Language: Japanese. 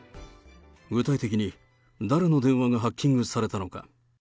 具体的に誰の電話がハッキングされたのか。